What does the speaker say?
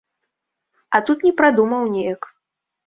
А тут не прадумаў неяк.